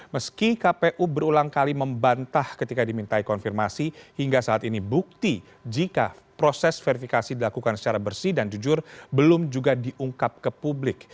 meski kpu berulang kali membantah ketika dimintai konfirmasi hingga saat ini bukti jika proses verifikasi dilakukan secara bersih dan jujur belum juga diungkap ke publik